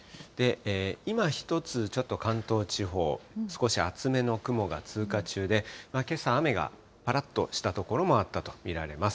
今、１つ、ちょっと関東地方、少し厚めの雲が通過中で、けさ、雨がぱらっとした所もあったと見られます。